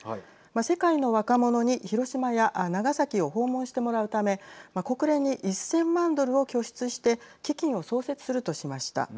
世界の若者に広島や長崎を訪問してもらうため国連に１０００万ドルを拠出して基金を創設するとしました。